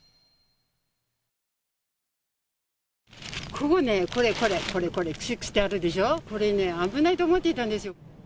ここね、これ、これ、注意してあるでしょう、これね、危ないと思っていたんですよ。